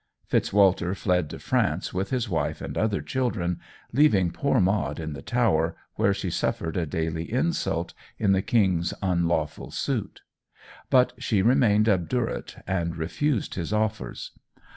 Fitz Walter fled to France with his wife and other children, leaving poor Maud in the Tower, where she suffered a daily insult in the King's unlawful suit. But she remained obdurate, and refused his offers.